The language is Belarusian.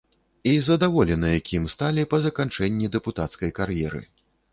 І задаволеныя, кім сталі па заканчэнні дэпутацкай кар'еры.